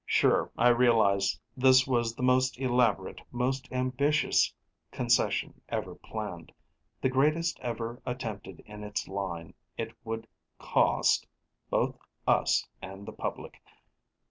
Sure, I realized this was the most elaborate, most ambitious concession ever planned. The greatest ever attempted in its line, it would cost both us and the public.